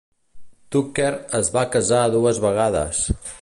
Tucker es va casar dues vegades.